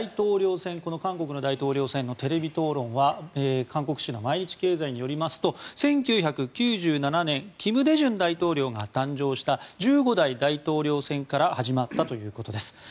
この韓国の大統領選のテレビ討論会は韓国紙の毎日経済によりますと１９９７年、金大中大統領が誕生した、１５代大統領選から始まったということです。